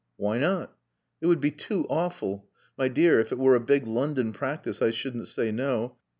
"Why not?" "It would be too awful. My dear, if it were a big London practice I shouldn't say no.